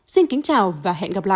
xin kính chào và hẹn gặp lại